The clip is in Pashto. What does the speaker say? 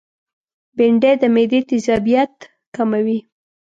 بېنډۍ د معدې تيزابیت کموي